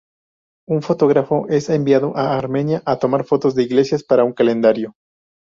Un fotógrafo es enviado a Armenia a tomar fotos de iglesias para un calendario.